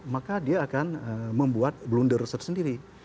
maka dia akan membuat blunder tersendiri